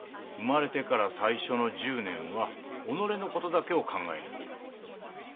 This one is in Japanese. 生まれてから最初の１０年は己の事だけを考えればよい。